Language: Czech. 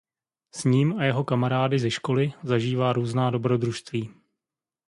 S ním a jeho kamarády ze školy zažívá různá dobrodružství.